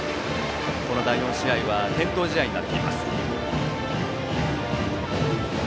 この第４試合は点灯試合になっています。